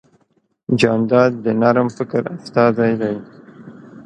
جانداد د نرم فکر استازی دی.